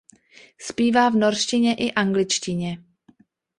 Zpívá v norštině a angličtině.